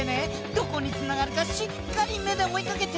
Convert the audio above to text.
どこにつながるかしっかりめでおいかけて！